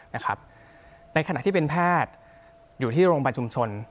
ในขณะที่เป็นแพทย์อยู่ที่โรงพยาบาลชุมชน